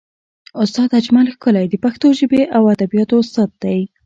استاد اجمل ښکلی د پښتو ژبې او ادبیاتو استاد دی.